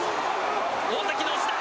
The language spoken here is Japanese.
大関の押しだ。